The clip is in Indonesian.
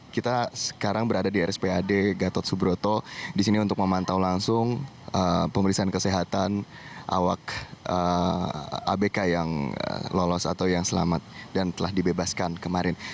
kita sekarang berada di rspad gatot subroto di sini untuk memantau langsung pemeriksaan kesehatan awak abk yang lolos atau yang selamat dan telah dibebaskan kemarin